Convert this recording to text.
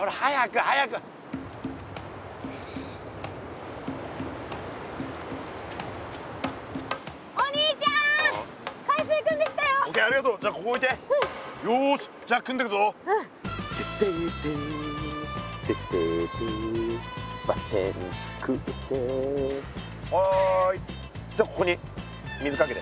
はいじゃあここに水かけて。